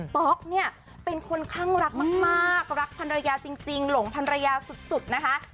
ป๊อกเนี่ยเป็นคนข้างรักมากรักพันรยาจริงหลงพันรยาสุดนะคะ